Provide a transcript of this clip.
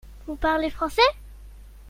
Vous parlez français ?